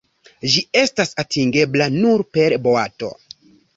Ĝi estas atingebla nur per boato.